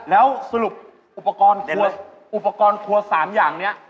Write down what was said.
แล้วสรุปอุปกรณ์อุปกรณ์ครัว๓อย่างนี้